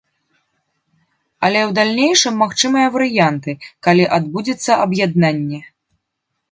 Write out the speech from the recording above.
Але ў далейшым магчымыя варыянты, калі адбудзецца аб'яднанне.